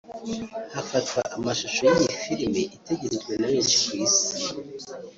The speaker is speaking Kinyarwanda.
hafatwa amashusho y’iyi filime itegerejwe na benshi ku isi